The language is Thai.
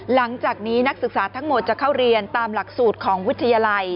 หลังจากนี้นักศึกษาทั้งหมดจะเข้าเรียนตามหลักสูตรของวิทยาลัย